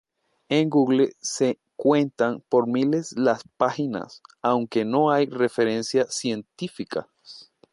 En Google se cuentan por miles las páginas, aunque no hay referencias científicas.